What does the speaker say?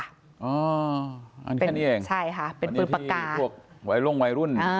อันนี้เองใช่ค่ะเป็นปืนปากกาพวกวัยลงวัยรุ่น